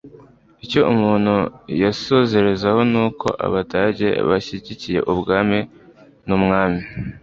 icyo umuntu yasozerezaho ni uko abadage bashyigikiye ubwami n'umwami